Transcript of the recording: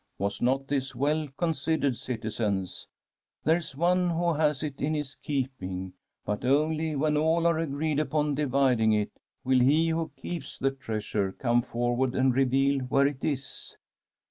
Was not this well considered, citizens ? There is one who has it in his keeping, but only, when all are agreed upon dividing it, will he who keeps the treasure come forward and reveal where it is.